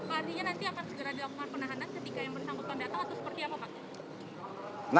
artinya nanti akan segera dilakukan penahanan ketika yang bersangkutan datang atau seperti apa pak